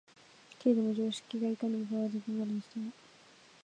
けれども常識がいかに科学的になるにしても、